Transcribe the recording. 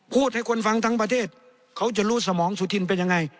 พูดให้คนฟังทั้งประเทศเขาจะรู้สมองสุธินเป็นยังไง